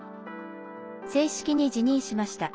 正式に辞任しました。